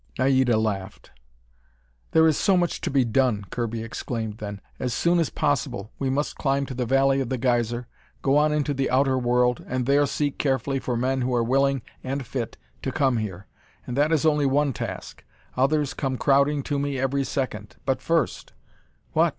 Naida laughed. "There is so much to be done!" Kirby exclaimed then. "As soon as possible, we must climb to the Valley of the Geyser, go on into the outer world, and there seek carefully for men who are willing, and fit, to come here. And that is only one task. Others come crowding to me every second. But first " "What?"